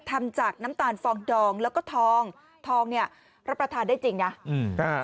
ทำจากน้ำตาลฟองดองแล้วก็ทองทองเนี้ยรับประทานได้จริงนะอืมอ่า